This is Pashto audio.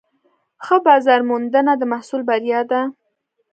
ښه بازارموندنه د محصول بریا ده.